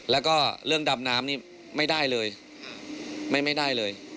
แล้วก็เรื่องดำน้ำนี่ไม่ได้เลยไม่ได้เลย